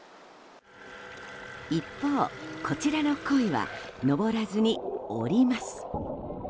一方、こちらのコイはのぼらずに下ります。